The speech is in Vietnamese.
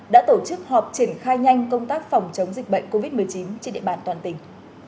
đã tổ chức họp triển khai nhanh công tác phòng chống dịch bệnh covid một mươi chín trên địa bàn toàn tỉnh